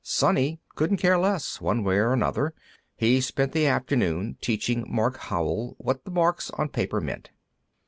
Sonny couldn't care less, one way or another; he spent the afternoon teaching Mark Howell what the marks on paper meant.